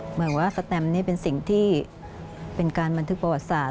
เหมือนว่าสแตมนี่เป็นสิ่งที่เป็นการบันทึกประวัติศาสต